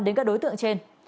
đến các đối tượng trên